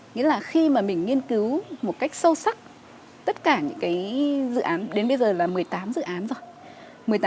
nghĩa là khi mà mình nghiên cứu một cách sâu sắc tất cả những cái dự án đến bây giờ là một mươi tám dự án rồi